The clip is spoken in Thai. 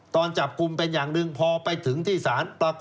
ตอนจับกลุ่มเป็นอย่างหนึ่งพอไปถึงที่ศาลปรากฏ